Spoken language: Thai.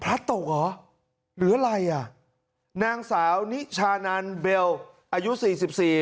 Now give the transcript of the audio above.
พระตกเหรอหรืออะไรอ่ะนางสาวนิชานันเบลอายุสี่สิบสี่